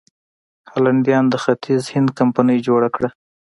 هالنډیانو د ختیځ هند کمپنۍ جوړه کړه.